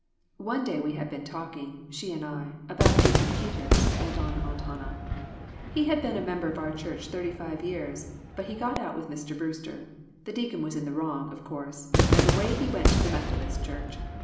"One day we had been talking she and I about Deacon Peters," went on Aunt Hannah. He had been a member of our church thirty five years, but he got out with Mr. Brewster; the deacon was in the wrong, of course, and away he went to the Methodist church.